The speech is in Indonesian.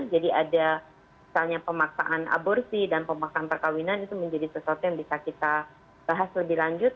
jadi ada misalnya pemaksaan aborsi dan pemaksaan perkahwinan itu menjadi sesuatu yang bisa kita bahas lebih lanjut